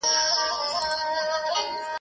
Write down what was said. لاري ډېري دي، خو د مړو لار يوه ده.